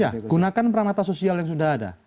ya gunakan peramata sosial yang sudah ada